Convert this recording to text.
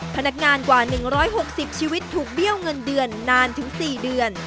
พนักงานกว่า๑๖๐ชีวิตถูกเบี้ยวเงินเดือนนานถึง๔เดือน